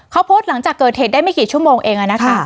เขาโพสต์หลังจากเกิดเหตุได้ไม่กี่ชั่วโมงเองนะคะ